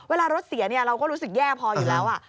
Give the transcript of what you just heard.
เวลารถเสียเราก็รู้สึกแย่พออยู่แล้ว